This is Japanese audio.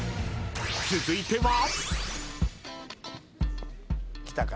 ［続いては］